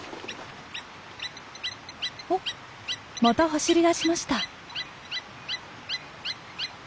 おっまた走りだしました。